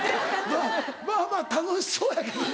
まぁまぁまぁ楽しそうやけどな。